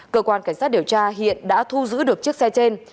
cơ quan cảnh sát điều tra hiện đã thu giữ được chiếc xe trên